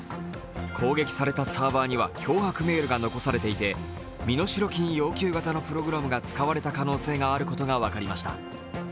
攻撃されたサーバーには脅迫メールが残されていて身代金要求型のプログラムが使われた可能性があることが分かりました。